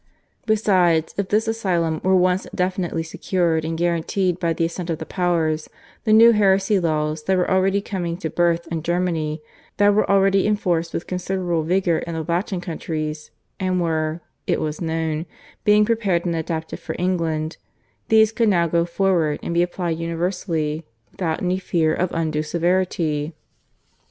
Besides, if this asylum were once definitely secured and guaranteed by the assent of the Powers, the new heresy laws that were already coming to birth in Germany, that were already enforced with considerable vigour in the Latin countries, and were (it was known) being prepared and adapted for England these could now go forward and be applied universally, without any fear of undue severity.